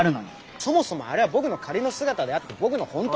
そもそもあれは僕の仮の姿であって僕の本当の仕事では。